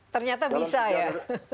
ternyata bisa ya